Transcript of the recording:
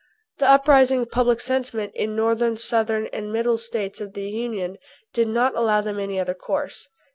The uprising of public sentiment in the Northern, Southern, and Middle States of the Union did not allow them any other course.